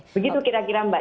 begitu kira kira mbak